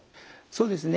そうですね。